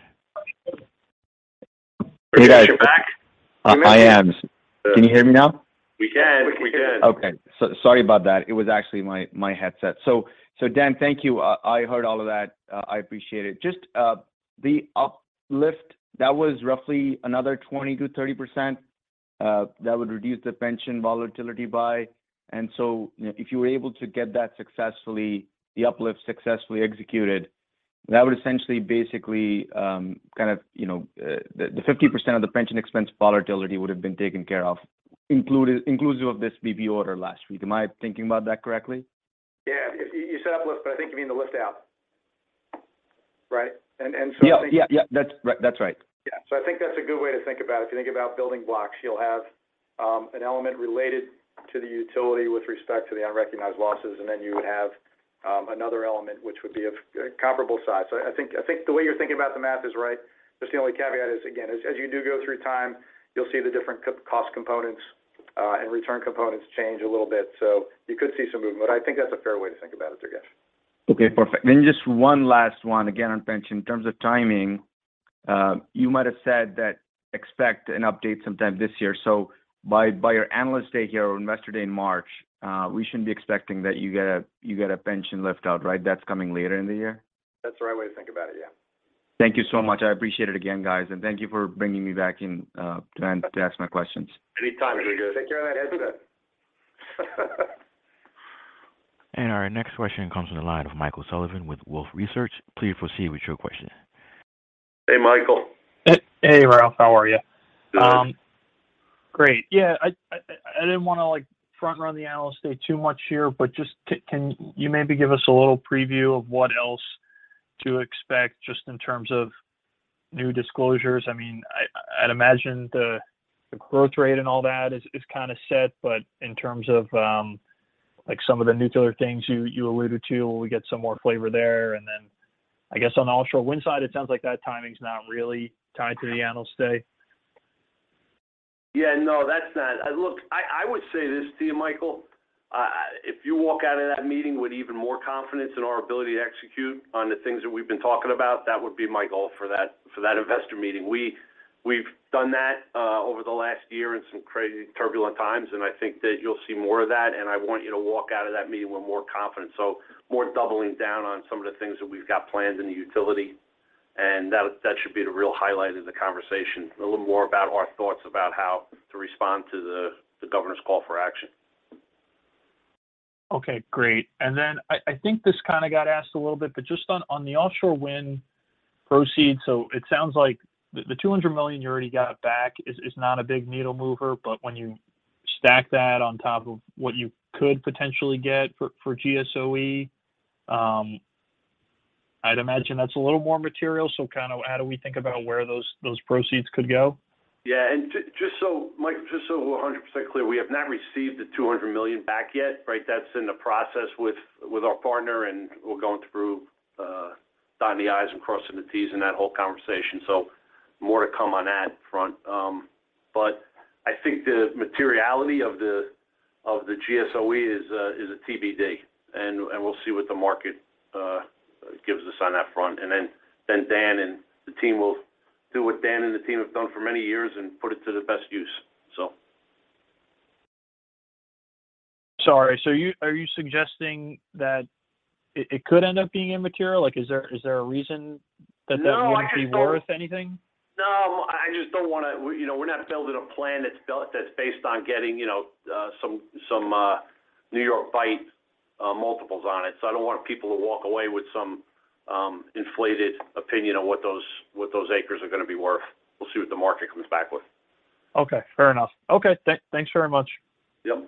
Hey, guys. Durgesh, you're back. I am. Can you hear me now? We can. Sorry about that. It was actually my headset. Dan, thank you. I heard all of that. I appreciate it. Just the uplift, that was roughly another 20%-30%, that would reduce the pension volatility by. You know, if you were able to get that successfully, the uplift successfully executed, that would essentially basically, kind of, you know... the 50% of the pension expense volatility would have been taken care of inclusive of this BPU order last week. Am I thinking about that correctly? Yeah. You said uplift, but I think you mean the lift out, right? Yeah. Yeah. Yeah. Right. That's right. Yeah. I think that's a good way to think about it. If you think about building blocks, you'll have an element related to the utility with respect to the unrecognized losses, and then you would have another element which would be of comparable size. I think the way you're thinking about the math is right, but the only caveat is, again, as you do go through time, you'll see the different co-cost components and return components change a little bit. You could see some movement. I think that's a fair way to think about it, Durgesh. Okay, perfect. Just one last one, again, on pension. In terms of timing, you might have said that expect an update sometime this year. By your Analyst Day here or Investor Day in March, we shouldn't be expecting that you get a pension lift out, right? That's coming later in the year? That's the right way to think about it, yeah. Thank you so much. I appreciate it again, guys. Thank you for bringing me back in, Dan, to ask my questions. Anytime, Durgesh. Take care of that headset. Our next question comes from the line of Michael Sullivan with Wolfe Research. Please proceed with your question. Hey, Michael. Hey. Hey, Ralph. How are you? Good. Great. Yeah. I didn't wanna, like, front run the Analyst Day too much here, but just can you maybe give us a little preview of what else to expect just in terms of new disclosures? I mean, I'd imagine the growth rate and all that is kinda set, but in terms of, like, some of the nuclear things you alluded to, will we get some more flavor there? Then I guess on the offshore wind side, it sounds like that timing's not really tied to the Analyst Day. Yeah, no, that's not. Look, I would say this to you, Michael. If you walk out of that meeting with even more confidence in our ability to execute on the things that we've been talking about, that would be my goal for that, for that investor meeting. We've done that, over the last year in some crazy turbulent times, and I think that you'll see more of that, and I want you to walk out of that meeting with more confidence. More doubling down on some of the things that we've got planned in the utility, and that should be the real highlight of the conversation. A little more about our thoughts about how to respond to the governor's call for action. Okay, great. I think this kind of got asked a little bit, but just on the offshore wind proceeds. It sounds like the $200 million you already got back is not a big needle mover, but when you stack that on top of what you could potentially get for GSOE, I'd imagine that's a little more material. Kind of how do we think about where those proceeds could go? Yeah. Just so, Mike, just so we're 100% clear, we have not received the $200 million back yet, right? That's in the process with our partner, and we're going through dotting the I's and crossing the T's in that whole conversation. More to come on that front. I think the materiality of the GSOE is a TBD, and we'll see what the market gives us on that front. Then Dan and the team will do what Dan and the team have done for many years and put it to the best use. Sorry. Are you suggesting that it could end up being immaterial? Like, is there a reason that that wouldn't be worth anything? No, I just don't wanna. We, you know, we're not building a plan that's based on getting, you know, some New York Bight multiples on it. I don't want people to walk away with some inflated opinion on what those, what those acres are gonna be worth. We'll see what the market comes back with. Okay, fair enough. Okay. thanks very much. Yep.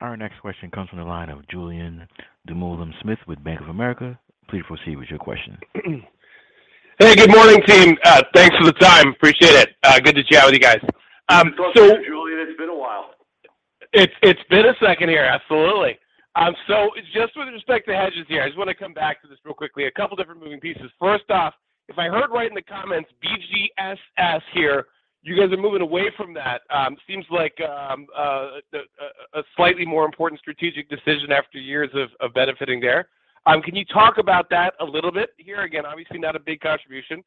Our next question comes from the line of Julien Dumoulin-Smith with Bank of America. Please proceed with your question. Hey, good morning, team. Thanks for the time. Appreciate it. Good to chat with you guys. Good talking to you, Julien. It's been a while. It's been a second here, absolutely. Just with respect to hedges here, I just wanna come back to this real quickly. A couple different moving pieces. First off, if I heard right in the comments, BGSS here, you guys are moving away from that. Seems like a slightly more important strategic decision after years of benefiting there. Can you talk about that a little bit here? Again, obviously not a big contribution.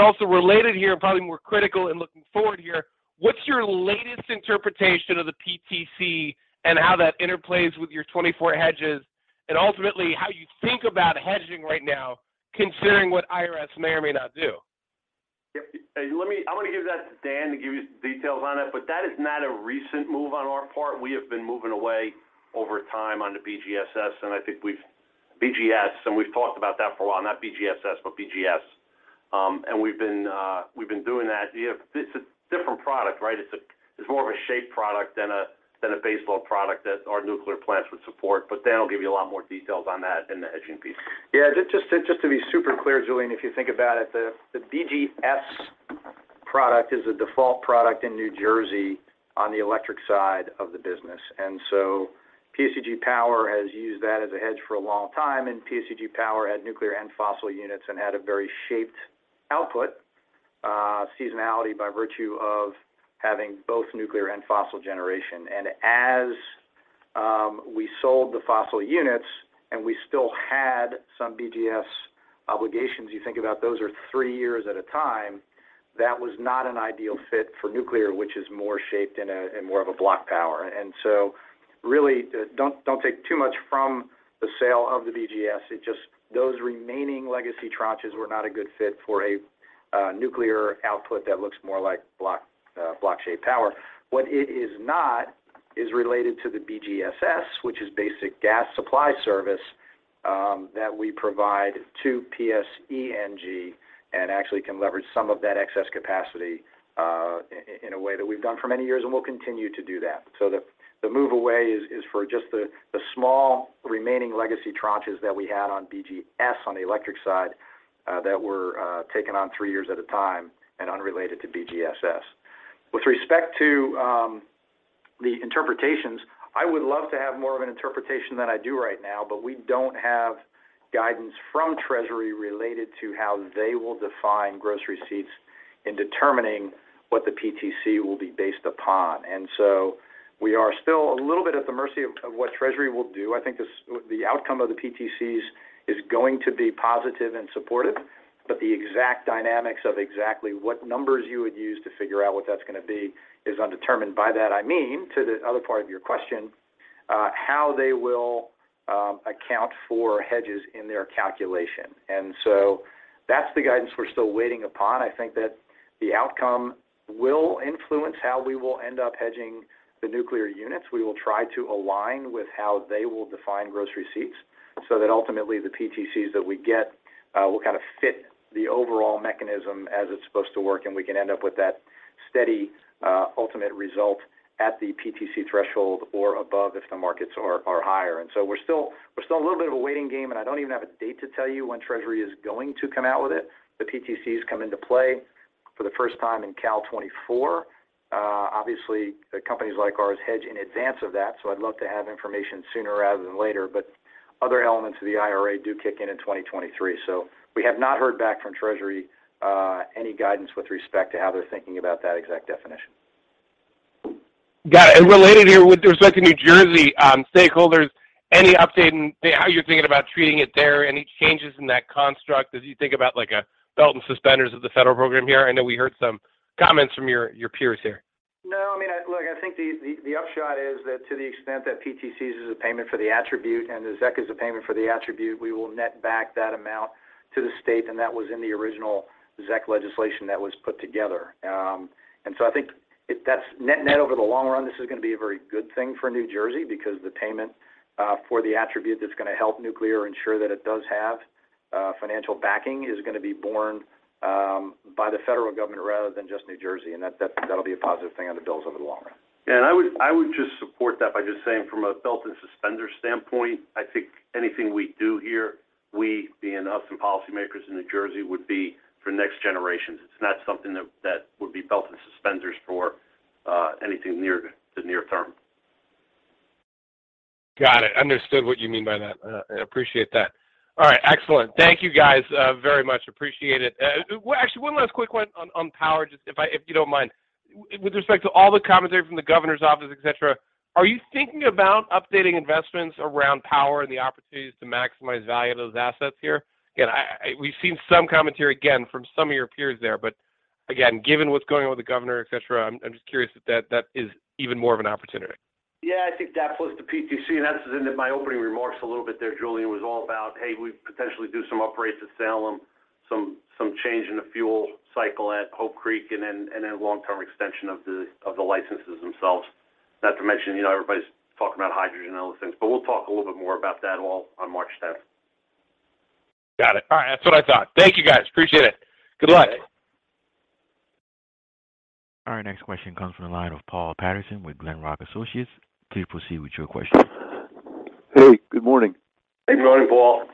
Also related here, and probably more critical in looking forward here, what's your latest interpretation of the PTC and how that interplays with your 2024 hedges, and ultimately how you think about hedging right now considering what IRS may or may not do? Yep. I want to give that to Dan to give you some details on it. That is not a recent move on our part. We have been moving away over time on the BGSS, and I think we've talked about that for a while. Not BGSS, but BGS. We've been doing that. It's a different product, right? It's more of a shape product than a baseload product that our nuclear plants would support. Dan will give you a lot more details on that and the hedging piece. Yeah. Just to be super clear, Julien, if you think about it, the BGS product is a default product in New Jersey on the electric side of the business. PSEG Power has used that as a hedge for a long time, and PSEG Power had nuclear and fossil units and had a very shaped output, seasonality by virtue of having both nuclear and fossil generation. As we sold the fossil units and we still had some BGS obligations, you think about those are three years at a time. That was not an ideal fit for nuclear, which is more shaped in more of a block power. Really, don't take too much from the sale of the BGS. Those remaining legacy tranches were not a good fit for a nuclear output that looks more like block shape power. What it is not is related to the BGSS, which is Basic Gas Supply Service, that we provide to PSE&G, and actually can leverage some of that excess capacity in a way that we've done for many years and will continue to do that. The move away is for just the small remaining legacy tranches that we had on BGS on the electric side, that were taken on three years at a time and unrelated to BGSS. With respect to the interpretations, I would love to have more of an interpretation than I do right now, but we don't have guidance from Treasury related to how they will define gross receipts in determining what the PTC will be based upon. So we are still a little bit at the mercy of what Treasury will do. I think the outcome of the PTCs is going to be positive and supportive, but the exact dynamics of exactly what numbers you would use to figure out what that's gonna be is undetermined. By that I mean, to the other part of your question, how they will account for hedges in their calculation. So that's the guidance we're still waiting upon. I think that the outcome will influence how we will end up hedging the nuclear units. We will try to align with how they will define gross receipts so that ultimately the PTCs that we get, will kinda fit the overall mechanism as it's supposed to work, and we can end up with that steady ultimate result at the PTC threshold or above if the markets are higher. We're still a little bit of a waiting game, and I don't even have a date to tell you when Treasury is going to come out with it. The PTCs come into play for the first time in Cal 2024. Obviously, companies like ours hedge in advance of that, so I'd love to have information sooner rather than later. Other elements of the IRA do kick in in 2023. We have not heard back from Treasury, any guidance with respect to how they're thinking about that exact definition. Got it. Related here with respect to New Jersey, stakeholders, any update in how you're thinking about treating it there? Any changes in that construct as you think about like a belt and suspenders of the federal program here? I know we heard some comments from your peers here. No. I mean, look, I think the upshot is that to the extent that PTCs is a payment for the attribute and the ZEC is a payment for the attribute, we will net back that amount to the state, and that was in the original ZEC legislation that was put together. So I think if that's net net over the long run, this is gonna be a very good thing for New Jersey because the payment for the attribute that's gonna help nuclear ensure that it does have financial backing is gonna be borne by the federal government rather than just New Jersey. That'll be a positive thing on the bills over the long run. Yeah. I would just support that by just saying from a belt and suspenders standpoint, I think anything we do here, we being us and policy makers in New Jersey, would be for next generations. It's not something that would be belt and suspenders for, anything near the near term. Got it. Understood what you mean by that. Appreciate that. All right. Excellent. Thank you guys very much. Appreciate it. Actually, one last quick one on power, just if you don't mind. With respect to all the commentary from the Governor's office, et cetera, are you thinking about updating investments around power and the opportunities to maximize value of those assets here? Again, We've seen some commentary again from some of your peers there. Again, given what's going on with the Governor, et cetera, I'm just curious if that is even more of an opportunity. I think that plus the PTC, and that's in my opening remarks a little bit there, Julien, was all about, hey, we potentially do some upgrades to Salem, some change in the fuel cycle at Hope Creek and then long-term extension of the licenses themselves. Not to mention, you know, everybody's talking about hydrogen and all those things, but we'll talk a little bit more about that all on March 10th. Got it. All right. That's what I thought. Thank you, guys. Appreciate it. Good luck. All right. Next question comes from the line of Paul Patterson with Glenrock Associates. Please proceed with your question. Hey, good morning. Good morning, Paul.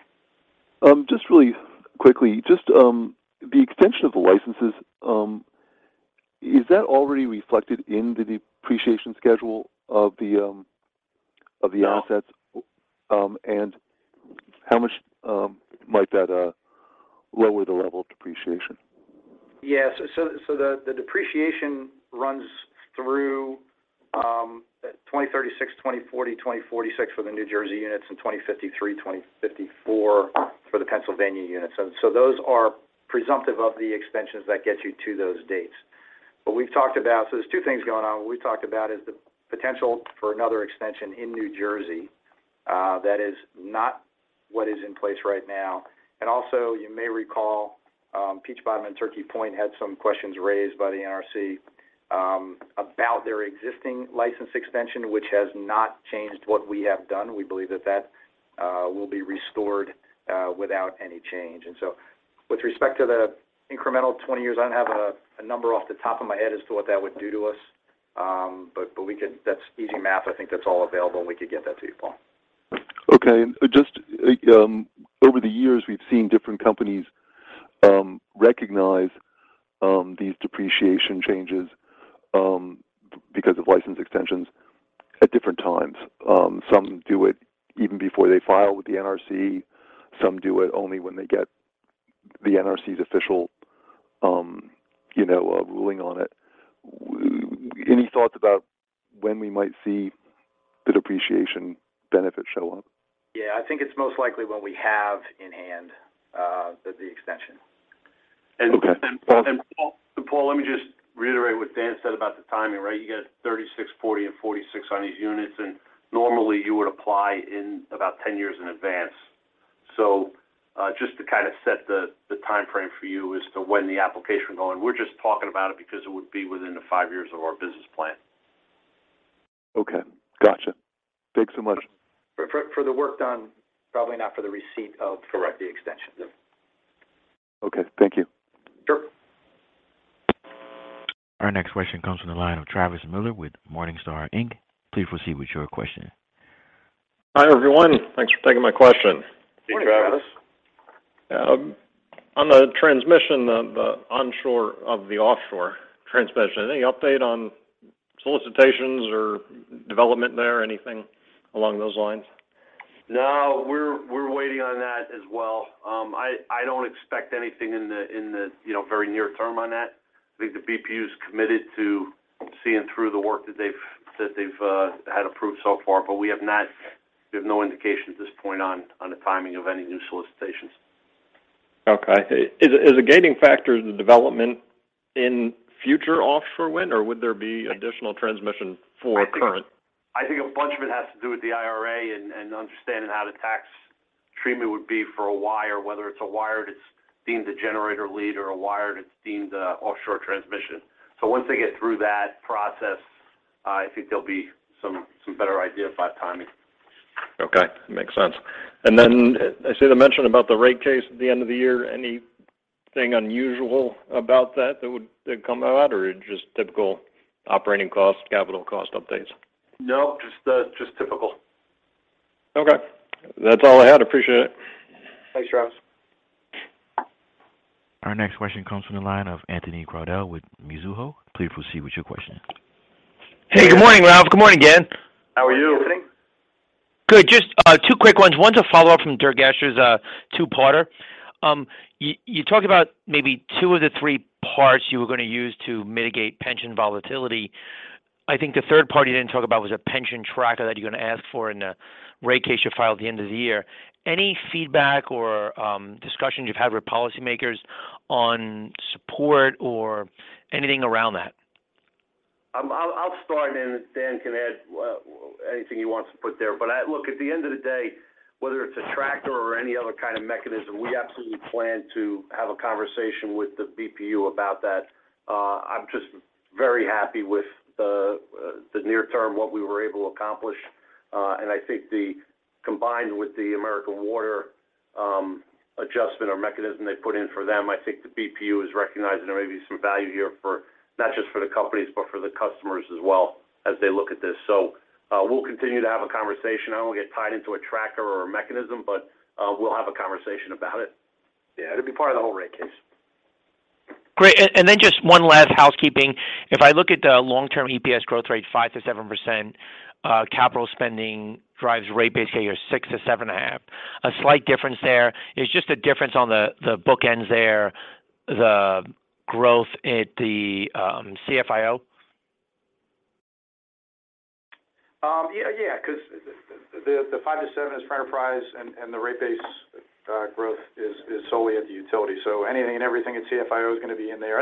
Just really quickly, just, the extension of the licenses, is that already reflected in the depreciation schedule? Yeah... assets? How much might that lower the level of depreciation? The depreciation runs through 2036, 2040, 2046 for the New Jersey units and 2053, 2054 for the Pennsylvania units. Those are presumptive of the extensions that get you to those dates. We've talked about... There's two things going on. What we talked about is the potential for another extension in New Jersey, that is not what is in place right now. Also you may recall, Peach Bottom and Turkey Point had some questions raised by the NRC about their existing license extension, which has not changed what we have done. We believe that that will be restored without any change. With respect to the incremental 20 years, I don't have a number off the top of my head as to what that would do to us. That's easy math. I think that's all available, and we could get that to you, Paul. Okay. Over the years, we've seen different companies recognize these depreciation changes because of license extensions at different times. Some do it even before they file with the NRC. Some do it only when they get the NRC's official, you know, ruling on it. Any thoughts about when we might see the depreciation benefit show up? I think it's most likely when we have in hand, the extension. Okay. Paul, let me just reiterate what Dan said about the timing, right? You got 36, 40 and 46 on these units, and normally you would apply in about 10 years in advance. Just to kind of set the time frame for you as to when the application will go in. We're just talking about it because it would be within the five years of our business plan. Okay. Gotcha. Thanks so much. For the work done, probably not for the receipt of correct the extension. Okay. Thank you. Sure. Our next question comes from the line of Travis Miller with Morningstar, Inc. Please proceed with your question. Hi, everyone. Thanks for taking my question. Good morning, Travis. On the transmission, the onshore of the offshore transmission. Any update on solicitations or development there? Anything along those lines? No, we're waiting on that as well. I don't expect anything in the, you know, very near term on that. I think the BPU is committed to seeing through the work that they've had approved so far, but we have no indication at this point on the timing of any new solicitations. Okay. Is a gating factor the development in future offshore wind, or would there be additional transmission for current? I think a bunch of it has to do with the IRA and understanding how the tax treatment would be for a wire, whether it's a wire that's deemed a generator lead or a wire that's deemed a offshore transmission. Once they get through that process, I think there'll be some better idea about timing. Okay. Makes sense. I see the mention about the rate case at the end of the year. Anything unusual about that that would come out or just typical operating costs, capital cost updates? No, just typical. Okay. That's all I had. Appreciate it. Thanks, Travis. Our next question comes from the line of Anthony Crowdell with Mizuho. Please proceed with your question. Hey, Good morning, Ralph. Good morning again. How are you? Good. Just two quick ones. One to follow up from Durgesh's two-parter. You talked about maybe two of the three parts you were gonna use to mitigate pension volatility. I think the third party you didn't talk about was a pension tracker that you're gonna ask for in a rate case you file at the end of the year. Any feedback or discussion you've had with policymakers on support or anything around that? I'll start then Dan can add anything he wants to put there. Look, at the end of the day, whether it's a tracker or any other kind of mechanism, we absolutely plan to have a conversation with the BPU about that. I'm just very happy with the near term, what we were able to accomplish. I think combined with the American Water adjustment or mechanism they put in for them, I think the BPU is recognizing there may be some value here for not just for the companies, but for the customers as well as they look at this. We'll continue to have a conversation. I won't get tied into a tracker or a mechanism, we'll have a conversation about it. Yeah. It'll be part of the whole rate case Great. Just one last housekeeping. If I look at the long-term EPS growth rate, 5%-7%, capital spending drives rate base basically your 6%-7.5%. A slight difference there. Is just a difference on the bookends there, the growth at the CFIO? Yeah, 'cause the 5 to 7 is for enterprise and the rate base growth is solely at the utility. Anything and everything at CFIO is gonna be in there.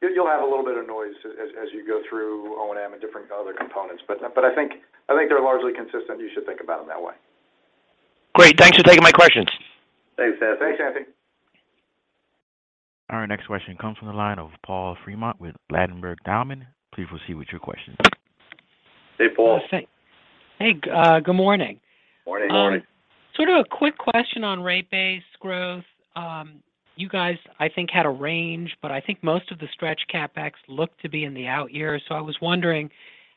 You'll have a little bit of noise as you go through O&M and different other components. I think they're largely consistent. You should think about them that way. Great. Thanks for taking my questions. Thanks, Seth. Thanks, Anthony. Our next question comes from the line of Paul Fremont with Ladenburg Thalmann. Please proceed with your question. Hey, Paul. Hey. Hey, good morning. Morning. Morning. Sort of a quick question on rate-based growth. You guys, I think, had a range, but I think most of the stretch CapEx looked to be in the out years. I was wondering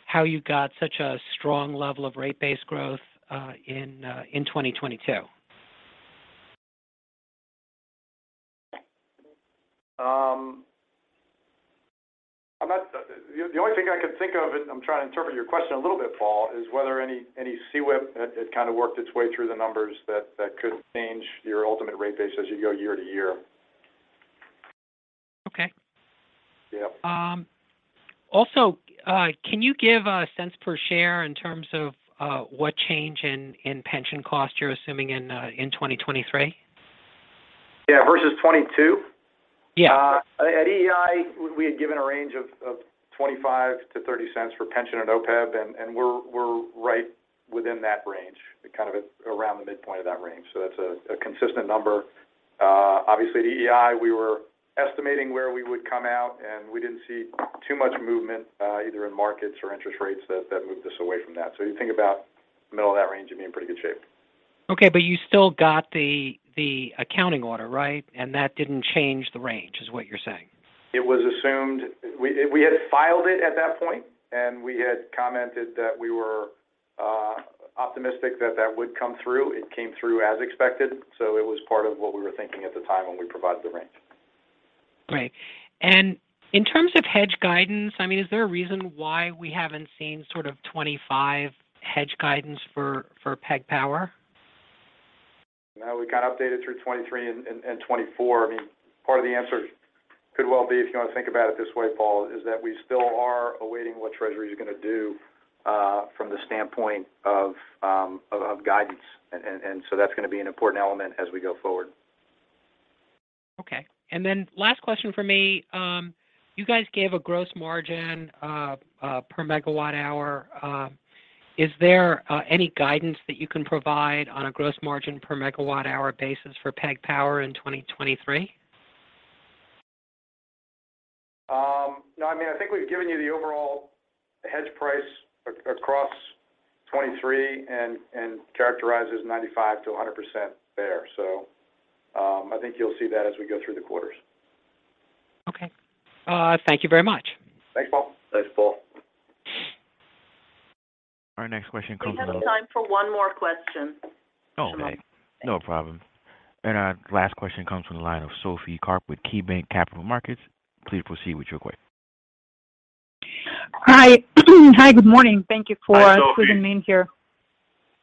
how you got such a strong level of rate-based growth in 2022. I'm not... The only thing I could think of, and I'm trying to interpret your question a little bit, Paul, is whether any CWIP had kind of worked its way through the numbers that could change your ultimate rate base as you go year to year. Okay. Yeah. Also, can you give a sense per share in terms of what change in pension costs you're assuming in 2023? Yeah. Versus 2022? Yeah. At EEI, we had given a range of $0.25-$0.30 for pension and OPEB, and we're right within that range, kind of at around the midpoint of that range. That's a consistent number. Obviously at EEI, we were estimating where we would come out, and we didn't see too much movement, either in markets or interest rates that moved us away from that. You think about the middle of that range and being in pretty good shape. Okay. You still got the accounting order, right? That didn't change the range, is what you're saying. It was assumed. We had filed it at that point, and we had commented that we were optimistic that that would come through. It came through as expected, so it was part of what we were thinking at the time when we provided the range. Great. In terms of hedge guidance, I mean, is there a reason why we haven't seen sort of 2025 hedge guidance for PSEG Power? No. We kind of updated through 2023 and 2024. I mean, part of the answer could well be, if you want to think about it this way, Paul, is that we still are awaiting what Treasury is gonna do from the standpoint of guidance. That's gonna be an important element as we go forward. Okay. Last question from me. You guys gave a gross margin per megawatt hour. Is there any guidance that you can provide on a gross margin per megawatt hour basis for PSEG Power in 2023? No. I mean, I think we've given you the overall hedge price across 2023 and characterizes 95%-100% there. I think you'll see that as we go through the quarters. Okay. Thank you very much. Thanks, Paul. Thanks, Paul. Our next question comes from. We have time for one more question. Oh, my. No problem. Our last question comes from the line of Sophie Karp with KeyBanc Capital Markets. Please proceed with your question. Hi. Hi, good morning. Thank you. Hi, Sophie. Including me in here.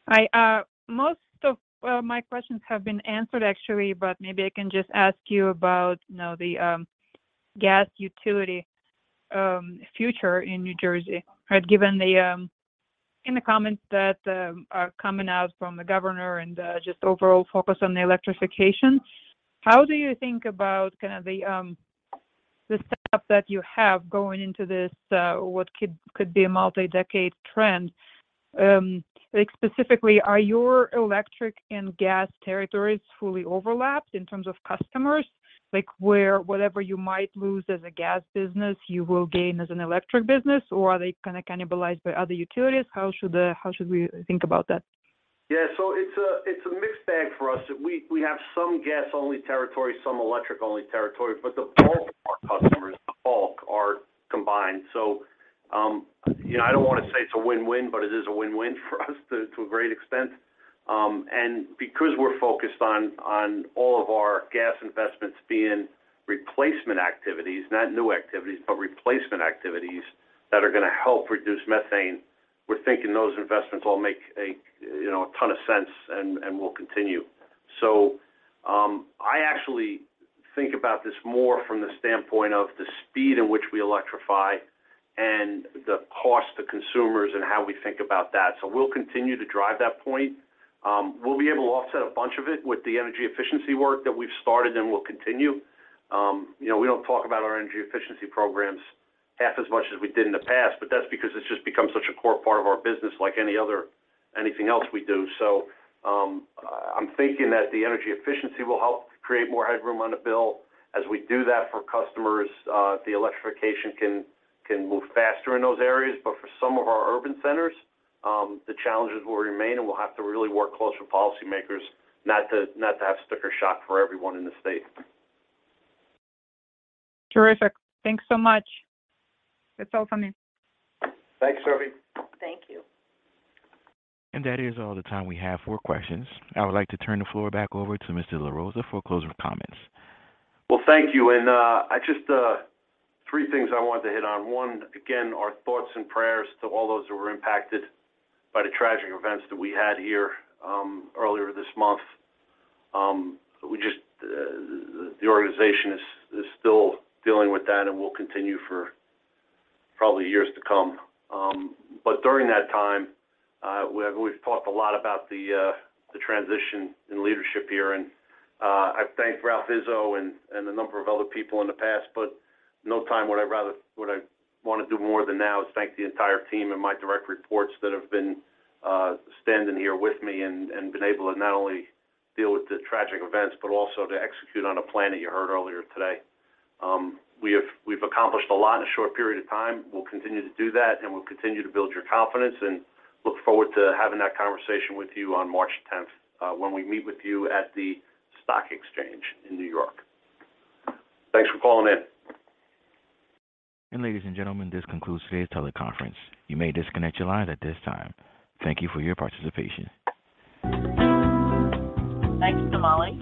I, most of my questions have been answered actually, but maybe I can just ask you about, you know, the gas utility future in New Jersey. Right? Given the comments that are coming out from the governor and just overall focus on the electrification, how do you think about kind of the stuff that you have going into this, what could be a multi-decade trend? Like specifically, are your electric and gas territories fully overlapped in terms of customers? Like, where whatever you might lose as a gas business, you will gain as an electric business, or are they kind of cannibalized by other utilities? How should we think about that? It's a mixed bag for us. We have some gas-only territory, some electric-only territory, but the bulk of our customers, the bulk are combined. You know, I don't wanna say it's a win-win, but it is a win-win for us to a great extent. Because we're focused on all of our gas investments being replacement activities, not new activities, but replacement activities that are gonna help reduce methane, we're thinking those investments all make a, you know, a ton of sense and will continue. I actually think about this more from the standpoint of the speed at which we electrify and the cost to consumers and how we think about that. We'll continue to drive that point. We'll be able to offset a bunch of it with the energy efficiency work that we've started and will continue. You know, we don't talk about our energy efficiency programs half as much as we did in the past, but that's because it's just become such a core part of our business like anything else we do. I'm thinking that the energy efficiency will help create more headroom on the bill. As we do that for customers, the electrification can move faster in those areas. For some of our urban centers, the challenges will remain, and we'll have to really work close with policymakers not to have sticker shock for everyone in the state. Terrific. Thanks so much. That's all for me. Thanks, Sophie. Thank you. That is all the time we have for questions. I would like to turn the floor back over to Mr. LaRossa for closing comments. Well, thank you. I just three things I wanted to hit on. One, again, our thoughts and prayers to all those who were impacted by the tragic events that we had here earlier this month. We just the organization is still dealing with that and will continue for probably years to come. During that time, we've talked a lot about the transition in leadership here. I've thanked Ralph Izzo and a number of other people in the past, but no time would I wanna do more than now is thank the entire team and my direct reports that have been standing here with me and been able to not only deal with the tragic events, but also to execute on a plan that you heard earlier today. We've accomplished a lot in a short period of time. We'll continue to do that, and we'll continue to build your confidence, and look forward to having that conversation with you on March 10th, when we meet with you at the Stock Exchange in New York. Thanks for calling in. Ladies and gentlemen, this concludes today's teleconference. You may disconnect your line at this time. Thank you for your participation. Thanks, Shamali.